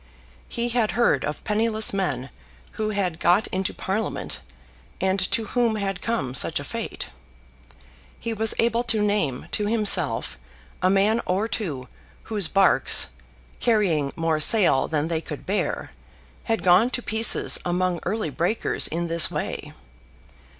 He had heard of penniless men who had got into Parliament, and to whom had come such a fate. He was able to name to himself a man or two whose barks, carrying more sail than they could bear, had gone to pieces among early breakers in this way.